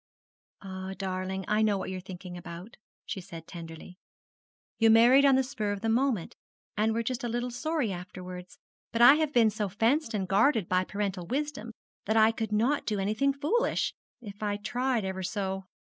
'Ah, darling, I know what you are thinking about,' she said tenderly. 'You married on the spur of the moment, and were just a little sorry afterwards; but I have been so fenced and guarded by parental wisdom that I could not do anything foolish if I tried ever so.